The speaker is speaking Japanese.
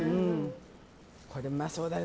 これ、うまそうだね。